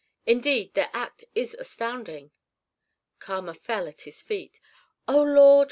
Indeed, their act is astounding." Kama fell at his feet. "O lord!"